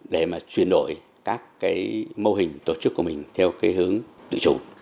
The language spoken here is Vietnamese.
để truyền đổi các mô hình tổ chức của mình theo hướng tự chủ